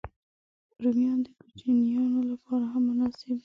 رومیان د کوچنيانو لپاره هم مناسب دي